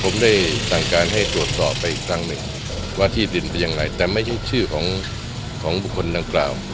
มันได้สร้างการให้ตรวจสอบไปอีกครั้งนึงว่าที่ดินไปอย่างไรแต่ไม่ใช่ชื่อของคนทั้งคราว